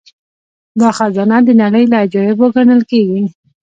دا خزانه د نړۍ له عجايبو ګڼل کیږي